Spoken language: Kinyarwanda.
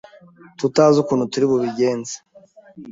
tutazi ukuntu turi bubigenze